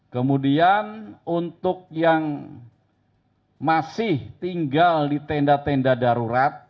kemudian untuk yang masih tinggal di tenda tenda darurat